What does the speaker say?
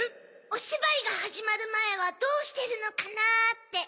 おしばいがはじまるまえはどうしてるのかなって。